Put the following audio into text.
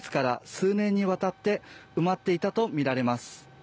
数年にわたって埋まっていたと見られます